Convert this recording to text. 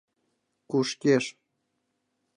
Кушкеш